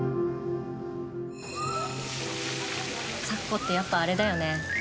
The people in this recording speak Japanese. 咲子ってやっぱあれだよね。